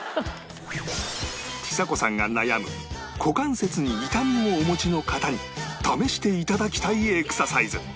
ちさ子さんが悩む股関節に痛みをお持ちの方に試していただきたいエクササイズ